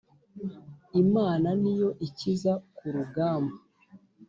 Imana niyo ikiza ku rugamba